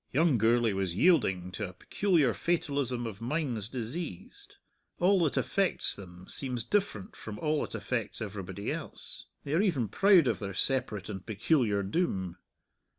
Young Gourlay was yielding to a peculiar fatalism of minds diseased: all that affects them seems different from all that affects everybody else; they are even proud of their separate and peculiar doom.